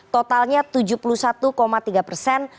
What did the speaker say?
totalnya tujuh puluh satu tiga persen